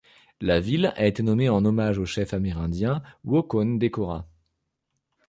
La ville a été nommée en hommage au chef amérindien Waukon Decorah.